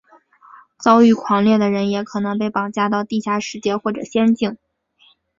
遭遇狂猎的人也可能被绑架到地下世界或者仙境。